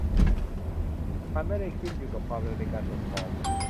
มันไม่ได้ขึ้นอยู่กับความเร็วในการส่งของ